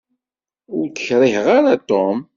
Ur k-kriheɣ ara a Tom.